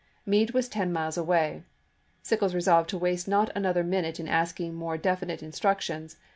Meade was ten miles away ; Sickles resolved to waste not another minute in asking more definite instruc Testimony, tions.